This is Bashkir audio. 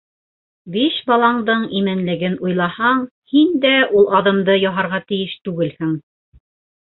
Биш баландың именлеген уйлаһаң, һин дә ул аҙымды яһарға тейеш түгелһең!